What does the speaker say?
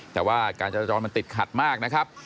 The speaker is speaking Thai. แต่ว่าการจราจรมันติดขัดมากนะครับ